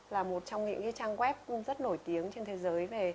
là một trong những trang web rất nổi tiếng trên thế giới